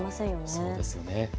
そうですよね。